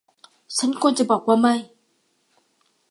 ฉันควรจะบอกว่าไม่